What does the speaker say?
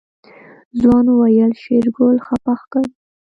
ځوان وويل شېرګل خپه ښکاري.